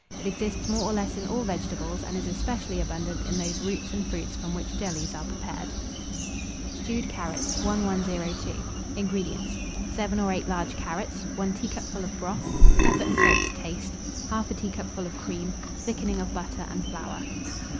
It exists more or less in all vegetables, and is especially abundant in those roots and fruits from which jellies are prepared. STEWED CARROTS. 1102. INGREDIENTS. 7 or 8 large carrots, 1 teacupful of broth, pepper and salt to taste, 1/2 teacupful of cream, thickening of butter and flour.